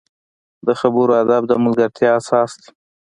د خبرو ادب د ملګرتیا اساس دی